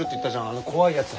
あの怖いやつ。